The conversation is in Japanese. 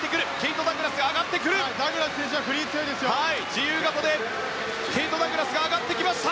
自由形でケイト・ダグラスが上がってきた。